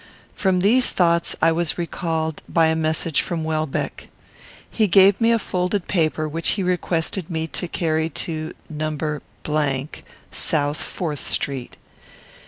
From these thoughts I was recalled by a message from Welbeck. He gave me a folded paper, which he requested me to carry to No. South Fourth Street.